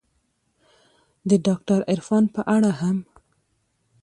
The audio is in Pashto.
د داکتر عرفان په اړه هم